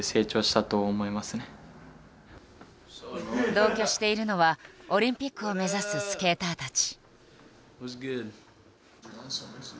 同居しているのはオリンピックを目指すスケーターたち。